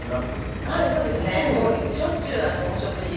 はいそうですねしょっちゅうお食事。